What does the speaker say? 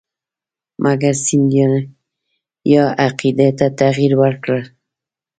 مګر سیندهیا عقیدې ته تغیر ورکړ.